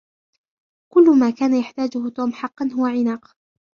كل ما كان يحتاجه توم حقاً هو عناق.